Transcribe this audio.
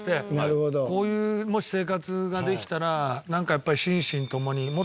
こういうもし生活ができたらなんかやっぱり。